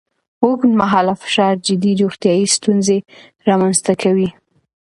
اوږدمهاله فشار جدي روغتیایي ستونزې رامنځ ته کوي.